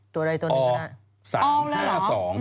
ตัวไหนตัวนึงก็ได้